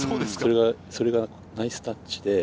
それがナイスタッチで。